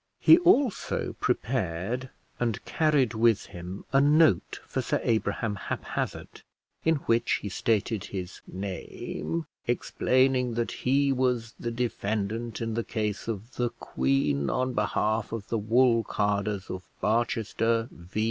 He also prepared and carried with him a note for Sir Abraham Haphazard, in which he stated his name, explaining that he was the defendant in the case of "The Queen on behalf of the Wool carders of Barchester v.